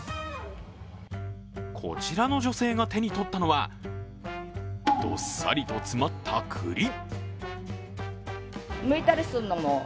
こちらの女性が手にとったのは、どっさりと詰まった、くり。